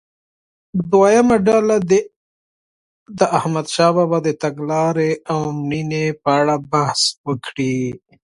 دویمه ډله دې د احمدشاه بابا د تګلارې او مړینې په اړه بحث وکړي.